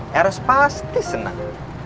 hera pasti senang